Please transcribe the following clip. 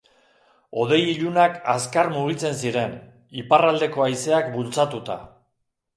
Hodei ilunak azkar mugitzen ziren, iparraldeko haizeak bultzatuta.